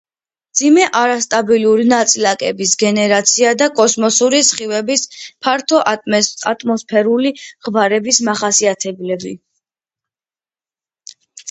მძიმე არასტაბილური ნაწილაკების გენერაცია და კოსმოსური სხივების ფართო ატმოსფერული ღვარების მახასიათებლები.